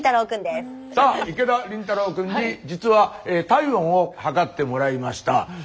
さあ池田倫太朗くんに実は体温を測ってもらいました。